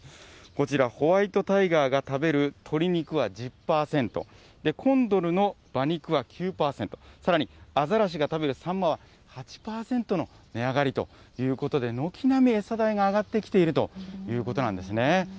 こちら、ホワイトタイガーが食べる鶏肉は１０％、コンドルの馬肉は９％、さらにアザラシが食べるサンマは８％の値上がりということで、軒並み餌代が上がってきているということなんですね。